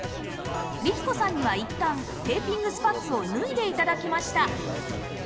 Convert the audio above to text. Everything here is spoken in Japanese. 律子さんにはいったんテーピングスパッツを脱いで頂きました